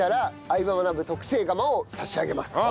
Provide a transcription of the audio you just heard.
相葉マナブ』特製釜を差し上げます。